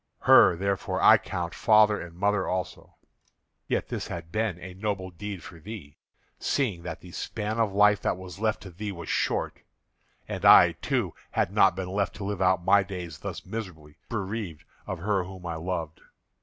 Her, therefore, I count father and mother also. Yet this had been a noble deed for thee, seeing that the span of life that was left to thee was short. And I, too, had not been left to live out my days thus miserably, bereaved of her whom I loved.